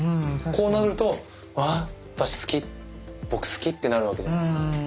こうなると「うわっ！私好き」「僕好き」ってなるわけじゃないですか。